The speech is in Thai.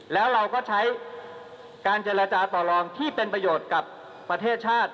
แล้วเราก็ใช้การเจรจาต่อลองที่เป็นประโยชน์กับประเทศชาติ